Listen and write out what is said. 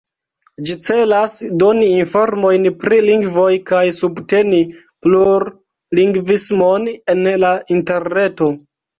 Ĝi celas doni informojn pri lingvoj kaj subteni plurlingvismon en la Interreto.